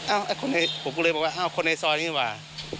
ผมก็เลยบอกว่าอ้าวคนในซอยนี้หว่า